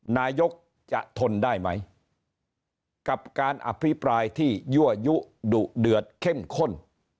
นายกจะทนได้ไหมกับการอภิปรายที่ยั่วยุดุเดือดเข้มข้น